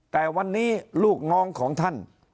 แต่วันนี้ลูกน้องของท่าน